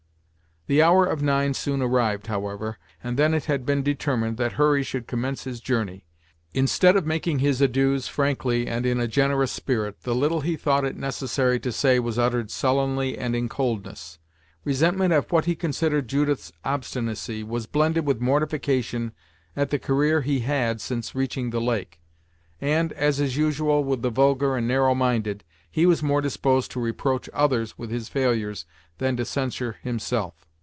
The hour of nine soon arrived, however, and then it had been determined that Hurry should commence his journey. Instead of making his adieus frankly, and in a generous spirit, the little he thought it necessary to say was uttered sullenly and in coldness. Resentment at what he considered Judith's obstinacy was blended with mortification at the career he had since reaching the lake, and, as is usual with the vulgar and narrow minded, he was more disposed to reproach others with his failures than to censure himself.